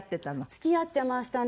付き合ってましたね。